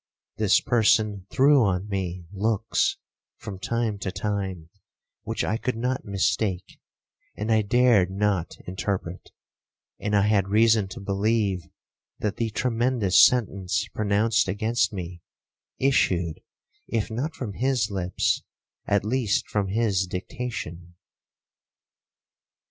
This person threw on me looks, from time to time, which I could not mistake, and I dared not interpret;—and I had reason to believe that the tremendous sentence pronounced against me, issued, if not from his lips, at least from his dictation.